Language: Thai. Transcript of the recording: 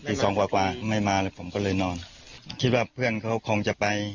สองกว่ากว่าไม่มาเลยผมก็เลยนอนคิดว่าเพื่อนเขาคงจะไป